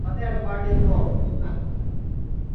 ও মনে করে তুমি আমার প্রেমে পড়েছো।